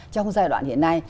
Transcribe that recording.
trong giai đoạn hiện nay